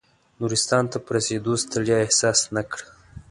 نورستان ته په رسېدو ستړیا احساس نه کړه.